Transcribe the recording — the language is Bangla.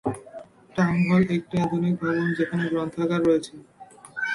টাউন হল একটি আধুনিক ভবন যেখানে গ্রন্থাগার রয়েছে।